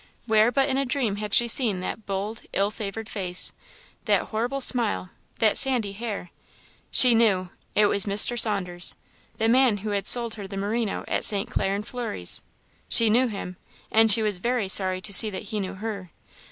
Where but in a dream had she seen that bold, ill favoured face, that horrible smile, that sandy hair? She knew! It was Mr. Saunders, the man who had sold her the merino at St. Clair and Fleury's. She knew him; and she was very sorry to see that he knew her.